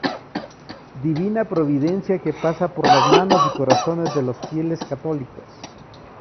Divina Providencia que pasa por las manos y corazones de los fieles católicos.